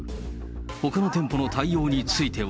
ほかの店舗の対応については。